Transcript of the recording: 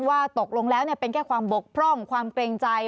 ว่าตกลงแล้วเป็นแค่ความบกพร่องความเกรงใจ